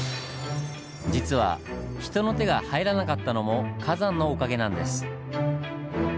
実は人の手が入らなかったのも火山のおかげなんです。